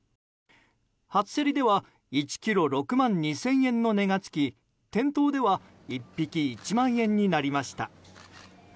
初競りでは１ｋｇ６万２０００円の値が付き店頭では１匹１万円になりました。